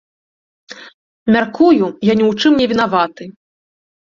Мяркую, я ні ў чым не вінаваты.